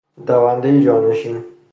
دوندهی جانشین